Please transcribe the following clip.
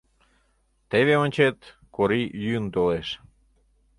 Теве ончет — Кори йӱын толеш.